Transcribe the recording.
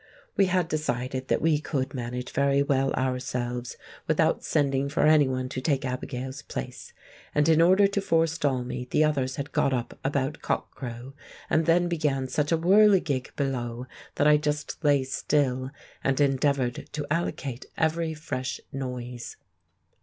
We had decided that we could manage very well ourselves, without sending for anyone to take Abigail's place; and in order to forestall me, the others had got up about cockcrow, and then began such a whirligig below, that I just lay still and endeavoured to allocate every fresh noise.